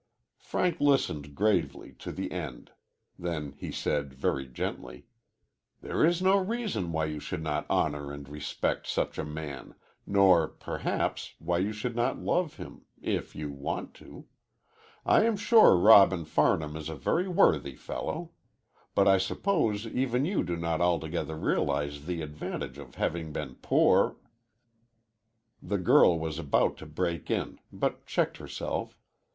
Frank listened gravely to the end. Then he said, very gently: "There is no reason why you should not honor and respect such a man, nor, perhaps, why you should not love him if you want to. I am sure Robin Farnham is a very worthy fellow. But I suppose even you do not altogether realize the advantage of having been born poor " The girl was about to break in, but checked herself.